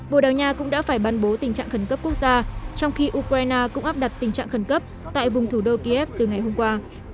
bộ đảo nhà cũng đã phải ban bố tình trạng khẩn cấp quốc gia trong khi ukraine cũng áp đặt tình trạng khẩn cấp tại vùng thủ đô kiev từ ngày hôm qua